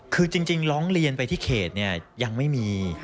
คือจริงร้องเรียนไปที่เขตเนี่ยยังไม่มี